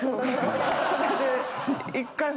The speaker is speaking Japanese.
それで。